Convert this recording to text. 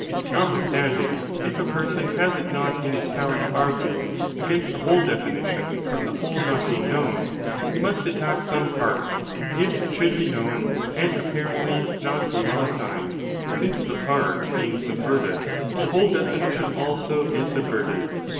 Notwithstanding, if a person has it not in his 5 Definition power to argue against the whole definition from Leta Migs Ἵ the whole not being known, he must attack some part, if it should be ee and apparently not be well assigned, 502 ARISTOTLE'S ORGANON. [BOOK Vil. since the part being subverted, the whole definition also, is subverted.